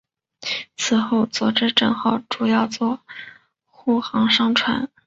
此后佐治镇号主要用作护航商船。